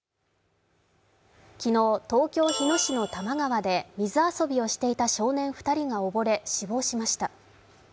昨日、東京・日野市の多摩川で水遊びをしていた少年２人が溺れ死亡しました。